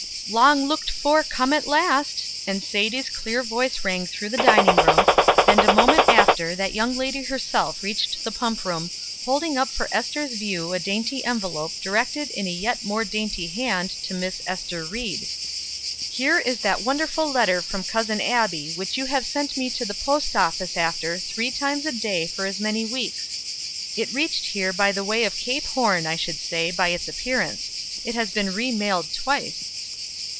"Long looked for, come at last!" and Sadie's clear voice rang through the dining room, and a moment after that young lady herself reached the pump room, holding up for Ester's view a dainty envelope, directed in a yet more dainty hand to Miss Ester Ried. "Here's that wonderful letter from Cousin Abbie which you have sent me to the post office after three times a day for as many weeks. It reached here by the way of Cape Horn, I should say, by its appearance. It has been remailed twice."